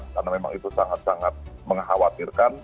karena memang itu sangat sangat mengkhawatirkan